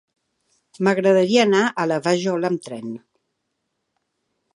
M'agradaria anar a la Vajol amb tren.